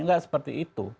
nggak seperti itu